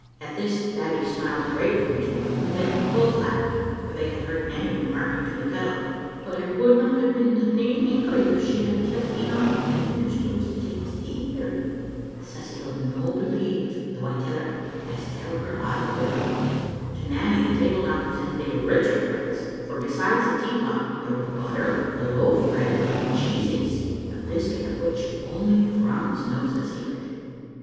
" At this Babbie smiled gratefully to him, and then both laughed, for they had heard Nanny remarking to the kettle, *' But I wouldna hae been nane angry if she had telled Enoch that the minister was to take his tea here. Susy'U no believe't though I tell her, as tell her I will." To Nanny the table now presented a rich appearance, for besides the teapot there were butter and loaf bread and cheesies: a biscuit of which only Thrums knows the secret.